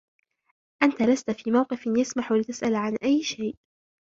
أنتَ لستُ في موقف يسمح لتسأل عن أي شئ.